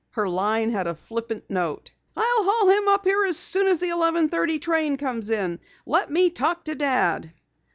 Her line had a flippant note: "I'LL HAUL HIM UP HERE AS SOON AS THE 11:30 TRAIN COMES IN. LET ME TALK TO DAD."